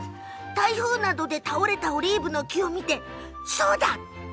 台風などで倒れたオリーブの木を見てそうだ！って